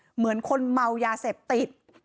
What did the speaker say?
เหมือนคนเมายาเสพติด